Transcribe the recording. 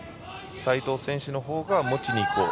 斉藤選手のほうが持ちにいこう。